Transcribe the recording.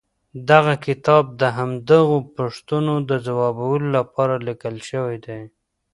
دغه کتاب د همدغو پوښتنو د ځوابولو لپاره ليکل شوی دی.